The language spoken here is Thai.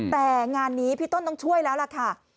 แต่งานนี้พี่ต้นต้องช่วยแล้วล่ะค่ะ